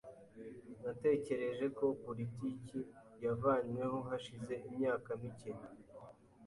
Natekereje ko politiki yavanyweho hashize imyaka mike .